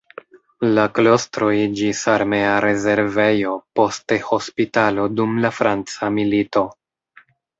La klostro iĝis armea rezervejo poste hospitalo dum la franca milito.